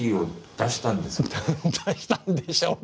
出したんでしょうかね？